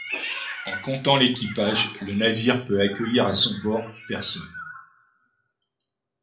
En comptant l’équipage, le navire peut accueillir à son bord personnes.